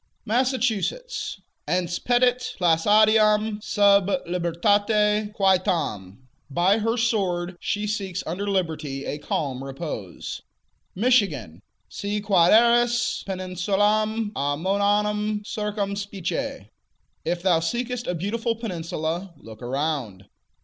Massachusetts Ense petit placidam sub libertate quietam: By her sword she seeks under liberty a calm repose. Michigan Si quaeris peninsulam amoeanam circumspice: If thou seekest a beautiful peninsula, look around.